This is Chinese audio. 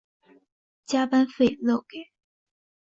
加班费漏给